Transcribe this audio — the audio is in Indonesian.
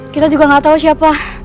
kita juga gak tau siapa